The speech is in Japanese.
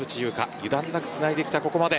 油断なくつないできたここまで。